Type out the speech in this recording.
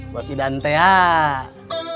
bos idan teh